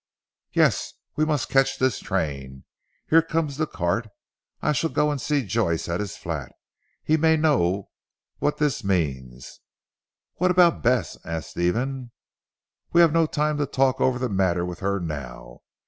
"Yes! We must catch this train. Here comes the cart; I shall go and see Joyce at his flat. He may know what this means." "What about Bess?" asked Stephen. "We have no time to talk over the matter with her now.